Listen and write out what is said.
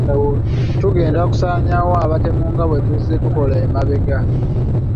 Tugenda kusaanyaawo abatemu bano nga bwe tuzze tukola emabega.